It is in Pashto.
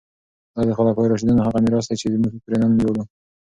دا د خلفای راشدینو هغه میراث دی چې موږ پرې نن ویاړو.